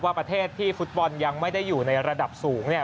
ประเทศที่ฟุตบอลยังไม่ได้อยู่ในระดับสูงเนี่ย